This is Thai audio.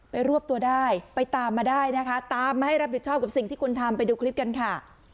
รวบตัวได้ไปตามมาได้นะคะตามมาให้รับผิดชอบกับสิ่งที่คุณทำไปดูคลิปกันค่ะ